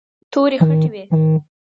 تورې خټې وې.